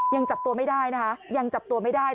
ยังจับตัวไม่ได้นะคะยังจับตัวไม่ได้